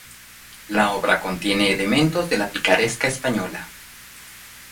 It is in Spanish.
La obra contiene elementos de la picaresca española.